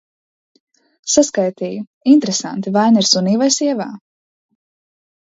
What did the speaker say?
Saskaitīju. Interesanti – vaina ir sunī vai sievā?